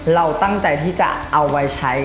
เราตั้งใจที่จะเอาไว้ใช้